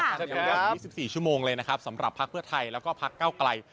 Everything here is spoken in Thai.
ใช้เวลา๒๔ชั่วโมงเลยนะครับสำหรับพักเพื่อไทยแล้วก็พักเก้าไกล